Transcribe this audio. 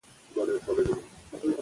مور مې راته وویل چې تل بايد رښتیا ووایم.